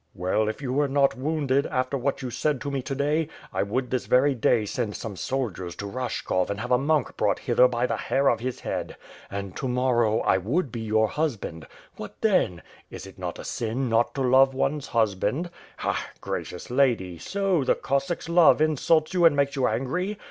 "Well, if you were not wounded, after what you said to me to day, I would this very day send some soldiers to Rash kov and have a monk brought hither by the hair of his head; and, to morrow, I would be your Iiusband. What then? Is it not a sin not to love one's husband? Ha! Gracious lady, so, the Cossack's love insults you and makes you angry?